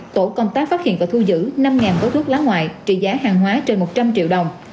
tổ công tác phát hiện và thu giữ năm gói thuốc lá ngoại trị giá hàng hóa trên một trăm linh triệu đồng